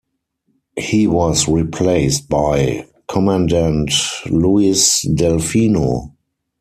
He was replaced by Commandant Louis Delfino.